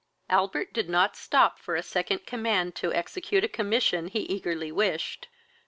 Albert did not stop for a second command to execute a commission he eagerly wished.